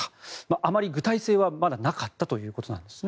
あまり具体性はまだなかったということなんですね。